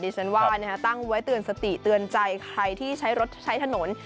ฉันว่าตั้งไว้เตือนสติเตือนใจใครที่ใช้รถใช้ถนน